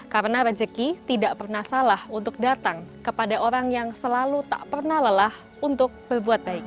karena rezeki tidak pernah salah untuk datang kepada orang yang selalu tak pernah lelah untuk berbuat baik